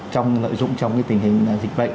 trong nội dung trong cái tình hình dịch bệnh